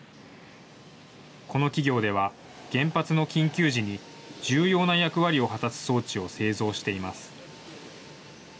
この企業では、原発の緊急時に、重要な役割を果たす装置を製造しています。